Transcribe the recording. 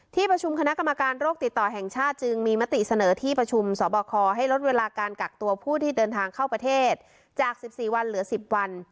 ที่ประชุมคณะกรรมการโรคติดต่อแห่งชาติจึงมีมติเสนอที่ประชุมสอบคอให้ลดเวลาการกักตัวผู้ที่เดินทางเข้าประเทศจาก๑๔วันเหลือ๑๐วัน